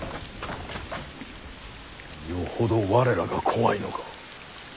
よほど我らが怖いのか？